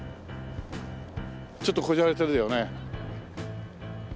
ちょっとこじゃれてるよね。